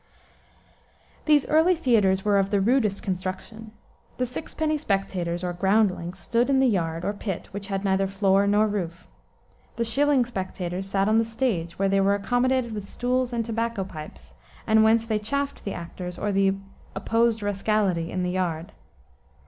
These early theaters were of the rudest construction. The six penny spectators, or "groundlings," stood in the yard, or pit, which had neither floor nor roof. The shilling spectators sat on the stage, where they were accommodated with stools and tobacco pipes, and whence they chaffed the actors or the "opposed rascality" in the yard.